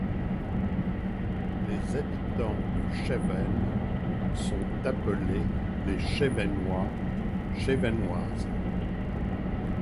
Les habitants de Chevennes sont appelés les Chevennois, Chevennoises.